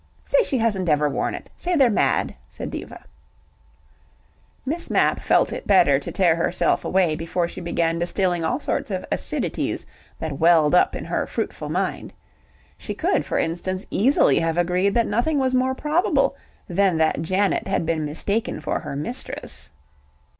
"Say she hasn't ever worn it. Say they're mad," said Diva. Miss Mapp felt it better to tear herself away before she began distilling all sorts of acidities that welled up in her fruitful mind. She could, for instance, easily have agreed that nothing was more probable than that Janet had been mistaken for her mistress.